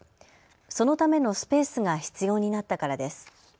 そのためのスペースが必要になったからです。